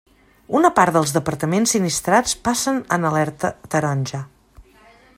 Una part dels departaments sinistrats passen en alerta taronja.